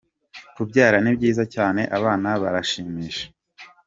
Kubyara ni byiza cyane abana barashimisha.